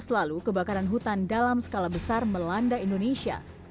dua ribu lalu kebakaran hutan dalam skala besar melanda indonesia